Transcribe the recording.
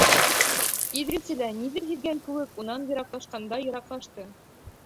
Иҙрисе лә ниҙер һиҙгән кеүек унан йыраҡлашҡандан-йыраҡлашты.